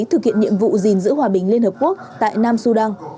thực hiện nhiệm vụ gìn giữ hòa bình liên hợp quốc tại nam sudan